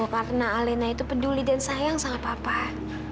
karena alena itu peduli dan sayang sama bapak